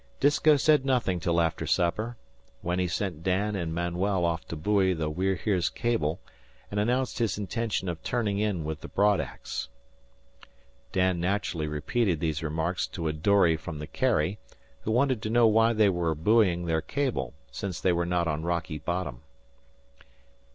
Disco said nothing till after supper, when he sent Dan and Manuel out to buoy the We're Here's cable and announced his intention of turning in with the broad axe. Dan naturally repeated these remarks to the dory from the Carrie, who wanted to know why they were buoying their cable, since they were not on rocky bottom.